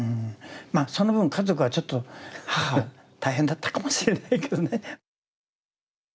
まあその分家族はちょっと母は大変だったかもしれないけどね。